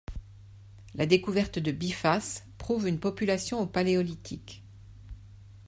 La découverte de bifaces prouve une population au Paléolithique.